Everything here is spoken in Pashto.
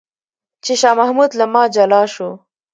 چې شاه محمود له ما جلا شو.